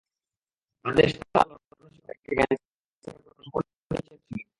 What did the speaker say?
আদেশ তাঁর লড়ার মানসিকতা থেকে ক্যানসারকে পরাস্ত করার প্রাণপণ চেষ্টাই করেছিলেন।